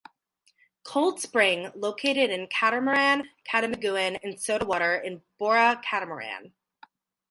Cold spring located in Catarman, Camiguin and soda water in Bora, Catarman.